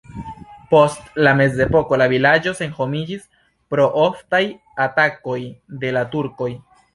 Post la mezepoko la vilaĝo senhomiĝis pro oftaj atakoj de la turkoj.